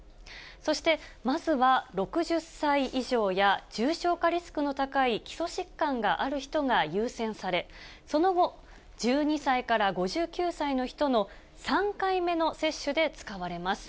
そしてまずは６０歳以上や、重症化リスクの高い基礎疾患がある人が優先され、その後、１２歳から５９歳の人の３回目の接種で使われます。